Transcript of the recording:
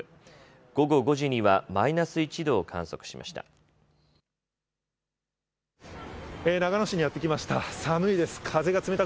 午後５時にはマイナス１度を観測しました。